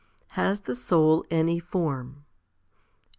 Has the soul any form